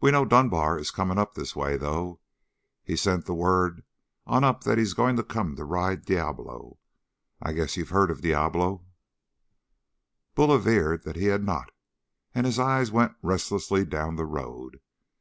"We know Dunbar is coming up this way, though. He sent the word on up that he's going to come to ride Diablo. I guess you've heard about Diablo?" Bull averred that he had not, and his eyes went restlessly down the road.